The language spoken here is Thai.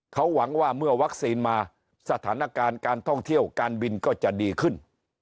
เขาหวังว่าเมื่อวัคซีนมาสถานการณ์การท่องเที่ยวการบินก็จะดีขึ้น